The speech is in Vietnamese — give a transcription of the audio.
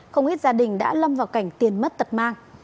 không ít gia đình đã lâm vào cảnh tiền mất tật mang